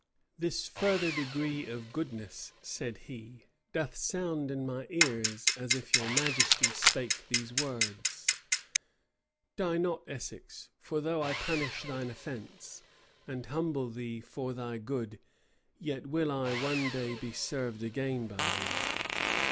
"This further degree of goodness," said he, "doth sound in my ears, as if your majesty spake these words: 'Die not, Essex; for though I punish thine offence, and humble thee for thy good yet will I one day be served again by thee.